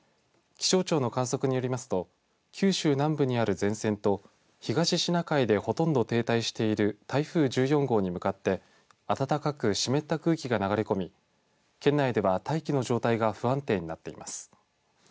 気象庁の観測によりますと九州南部にある前線と東シナ海でほとんど停滞している台風１４号に向かって暖かく湿った空気が流れ込み県内では、大気の状態が不安定になっています。